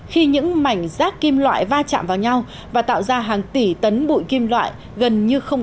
khi những mảnh rác kim loại va chạm vào nhau và tạo ra hàng tỷ tấn bụi kim loại gần như không